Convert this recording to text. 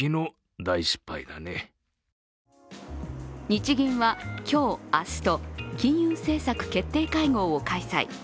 日銀は今日、明日と金融政策決定会合を開催。